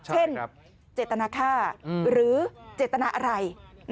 เช่นเจตนาค่าหรือเจตนาอะไร